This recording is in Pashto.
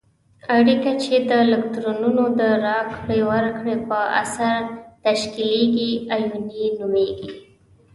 اړیکه چې د الکترونونو د راکړې ورکړې په اثر تشکیلیږي آیوني نومیږي.